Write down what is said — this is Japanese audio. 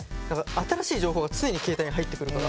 新しい情報が常に携帯に入ってくるから。